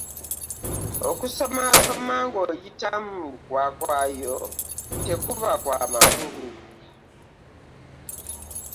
Okusomaasoma ng'oyitamu lukwakwayo tekuba kwa makulu.